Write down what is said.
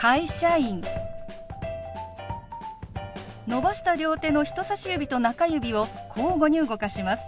伸ばした両手の人さし指と中指を交互に動かします。